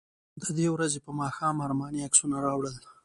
د دې ورځې په ماښام ارماني عکسونه راوړل.